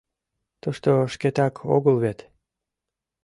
Тушто шкетак огыл вет!